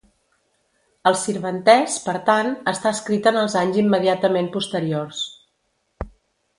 El sirventès, per tant, està escrit en els anys immediatament posteriors.